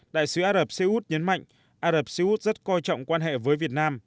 đại sứ ả rập xê út nhấn mạnh ả rập xê út rất coi trọng quan hệ với việt nam